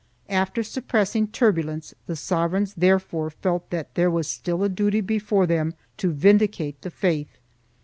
After suppressing turbulence the sovereigns therefore felt that there was still a duty before them to vindicate the faith.